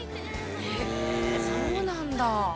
へえそうなんだ。